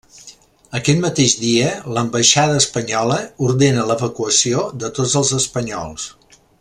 Aquest mateix dia, l'ambaixada espanyola ordena l'evacuació tots els espanyols.